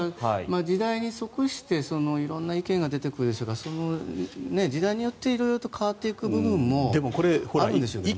時代に即して色んな意見が出てきますが時代によって色々と変わっていく部分もあるんでしょうが。